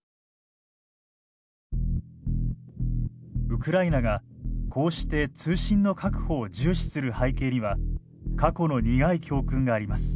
ウクライナがこうして通信の確保を重視する背景には過去の苦い教訓があります。